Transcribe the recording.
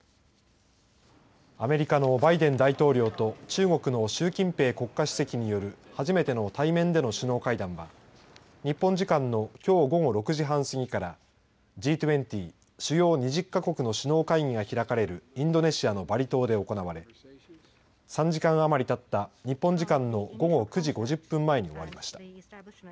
アメリカのバイデン大統領と中国の習近平国家主席による初めての対面での首脳会談は日本時間のきょう午後６時半過ぎからＧ２０、首脳２０ヶ国の首脳会議が開かれるインドネシアのバリ島で行われ３時間余りたった日本時間の午後９時５０分前に終わりました。